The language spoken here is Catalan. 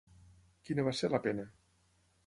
Quina va ser la pena?